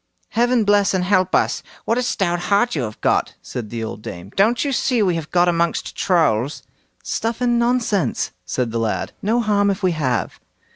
"Heaven bless and help us! what a stout heart you have got", said the old dame; "don't you see we have got amongst Trolls?" "Stuff and nonsense!" said the lad; "no harm if we have."